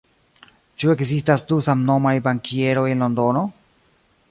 Ĉu ekzistas du samnomaj bankieroj en Londono?